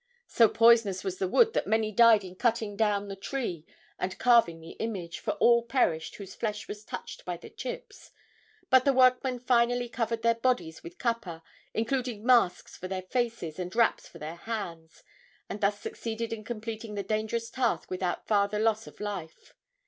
So poisonous was the wood that many died in cutting down the tree and carving the image, for all perished whose flesh was touched by the chips; but the workmen finally covered their bodies with kapa, including masks for their faces and wraps for their hands, and thus succeeded in completing the dangerous task without farther loss of life.